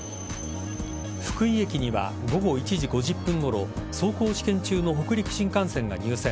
福井駅には午後１時５０分ごろ走行試験中の北陸新幹線が入線。